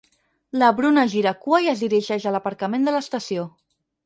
La Bruna gira cua i es dirigeix a l'aparcament de l'estació.